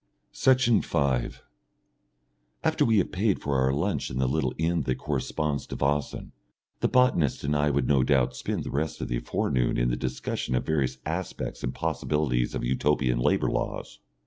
Section 5 After we have paid for our lunch in the little inn that corresponds to Wassen, the botanist and I would no doubt spend the rest of the forenoon in the discussion of various aspects and possibilities of Utopian labour laws.